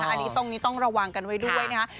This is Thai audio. อันนี้ตรงนี้ต้องระวังกันไว้ด้วยนะคะ